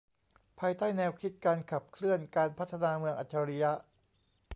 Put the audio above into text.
ภายใต้แนวคิดการขับเคลื่อนการพัฒนาเมืองอัจฉริยะ